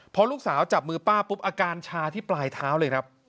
พอลูกสาวจับมือป้าปุ๊บอาการชาที่ปลายเท้าเลยครับ